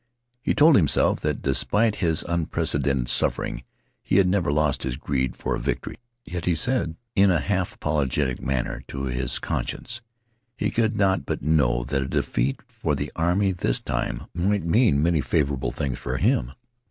He told himself that, despite his unprecedented suffering, he had never lost his greed for a victory, yet, he said, in a half apologetic manner to his conscience, he could not but know that a defeat for the army this time might mean many favorable things for him.